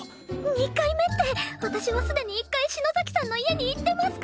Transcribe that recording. ２回目って私はすでに１回篠崎さんの家に行ってますから